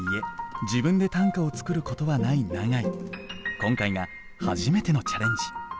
今回が初めてのチャレンジ。